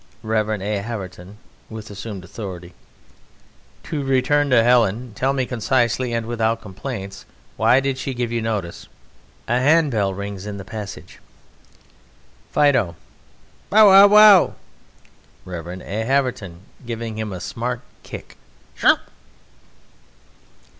_) REV. A. HAVERTON (with assumed authority): To return to Helen. Tell me concisely and without complaints, Why did she give you notice? (A hand bell rings in the passage.) FIDO: Bow wow wow! REV. A. HAVERTON (giving him a smart kick): Shurrup!